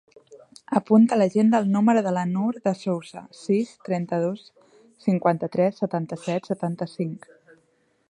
Apunta a l'agenda el número de la Noor De Souza: sis, trenta-dos, cinquanta-tres, setanta-set, setanta-cinc.